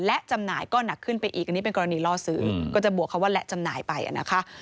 และจำหน่ายก็หนักขึ้นไปอีกอันนี้เป็นกรณีล่อซื้อก็จะบวกคำว่าและจำหน่ายไปนะคะ